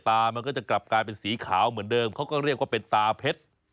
มันก็จะกลับกลายเป็นสีขาวเหมือนเดิมเขาก็เรียกว่าเป็นตาเพชร